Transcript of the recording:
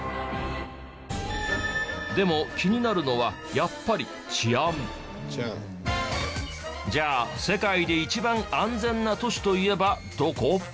でも気になるのはやっぱりじゃあ世界で一番安全な都市といえばどこ？